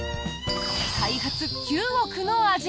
開発９億の味